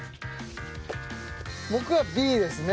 僕はＢですね